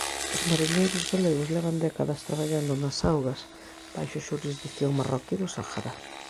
Os mariñeiros galegos levan décadas traballando nas augas baixo xurisdición marroquí do Sáhara.